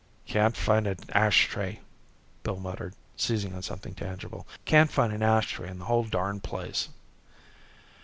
"Can't find an ashtray," Bill muttered, seizing on something tangible. "Can't find an ashtray in the whole darn place."